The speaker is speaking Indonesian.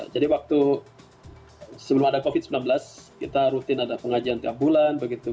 jadi waktu sebelum ada covid sembilan belas kita rutin ada pengajian tiap bulan begitu